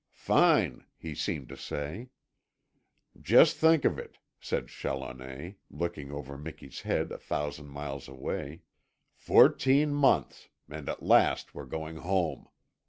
"Fine," he seemed to say. "Just think of it," said Challoner, looking over Miki's head a thousand miles away, "Fourteen months and at last we're going home.